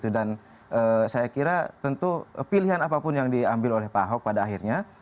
dan saya kira tentu pilihan apapun yang diambil oleh pak ahok pada akhirnya